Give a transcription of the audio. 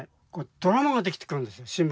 ドラマができてくるんです新聞